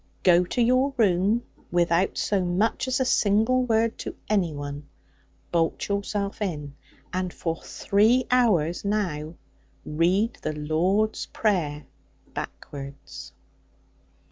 'Go to your room, without so much as a single word to any one. Bolt yourself in, and for three hours now, read the Lord's Prayer backwards.'